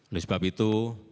oleh sebab itu